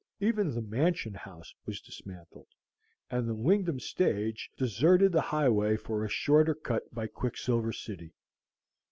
Even the Mansion House was dismantled, and the Wingdam stage deserted the highway for a shorter cut by Quicksilver City.